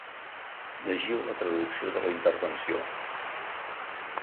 Llegiu la traducció de la intervenció.